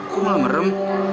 kok malah merem